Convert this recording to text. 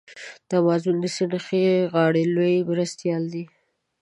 د امازون د سیند ښي غاړی لوی مرستیال دی.